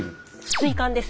水管です。